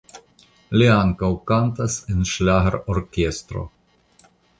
Li ankaŭ kantas en ŝlagrorkestro.